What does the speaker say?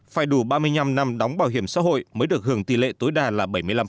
phải đủ ba mươi năm năm đóng bảo hiểm xã hội mới được hưởng tỷ lệ tối đa là bảy mươi năm